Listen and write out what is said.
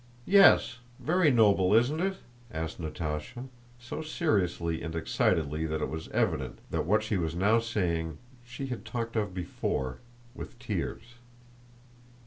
Yes, very noble? Isn't it?" asked Natásha, so seriously and excitedly that it was evident that what she was now saying she had talked of before, with tears.